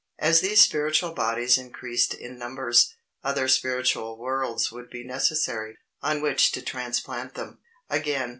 As these spiritual bodies increased in numbers, other spiritual worlds would be necessary, on which to transplant them. Again.